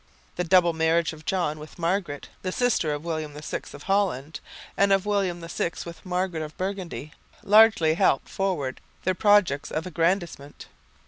The double marriage of John with Margaret, the sister of William VI of Holland, and of William VI with Margaret of Burgundy, largely helped forward their projects of aggrandisement.